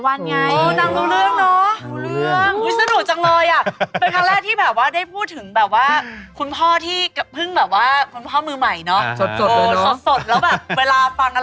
ได้รับบทเป็นคุณพ่อมีอะไรต่าง